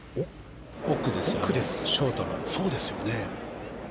奥です、ショートの。